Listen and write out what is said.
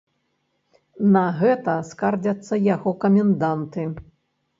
На гэта скардзяцца яго каменданты.